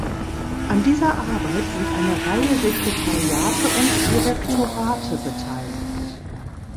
An dieser Arbeit sind eine Reihe Sekretariate und Direktorate beteiligt.